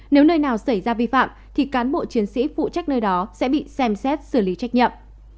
nếu nơi nào xảy ra vi phạm thì cán bộ chiến sĩ phụ trách nơi đó sẽ bị xem xét xử lý trách nhiệm